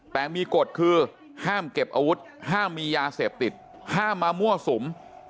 แต่มีกฎคือห้ามเก็บอาวุธห้ามมียาเสพติดห้ามมามั่วสุม